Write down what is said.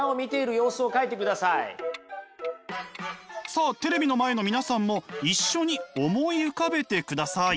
さあテレビの前の皆さんも一緒に思い浮かべてください。